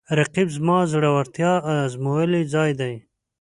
رقیب زما د زړورتیا د ازمویلو ځای دی